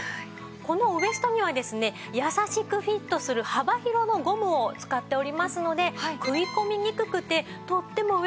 このウエストにはですね優しくフィットする幅広のゴムを使っておりますので食い込みにくくてとってもウエストがラクなんです。